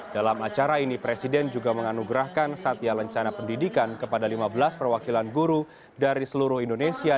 dalam acara ini presiden juga menganugerahkan satya lencana pendidikan kepada lima belas perwakilan guru dari seluruh indonesia